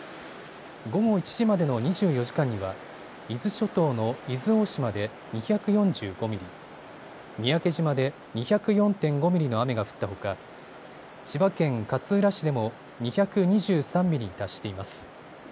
午後１時までの２４時間には伊豆諸島の伊豆大島で２４５ミリ、三宅島で２０４．５ミリの雨が降ったほか千葉県勝浦市でも２２３ミリに達しています。